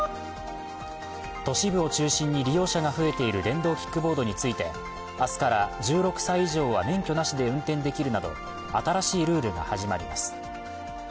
都市部を中心に利用者が増えている電動キックボードについて、明日から１６歳以上は免許なしで運転できるなど新しいルールが始まります。